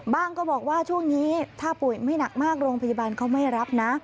ก็บอกว่าช่วงนี้ถ้าป่วยไม่หนักมากโรงพยาบาลเขาไม่รับนะ